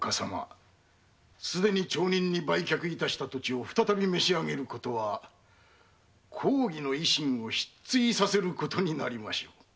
すでに町人に売却致した土地を再び召し上げることは公儀の威信を失墜させることになりましょう。